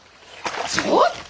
ちょっと！